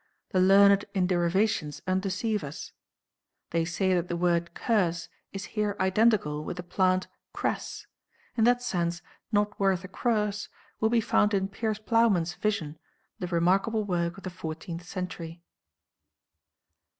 The learned in derivations undeceive us. They say that the word curse is here identical with the plant "cress." In that sense, "not worth a curse" will be found in Piers Ploughman's Vision, the remarkable work of the fourteenth century.